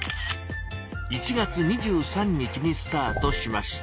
１月２３日にスタートしました。